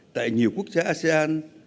tại nhiều quốc gia asean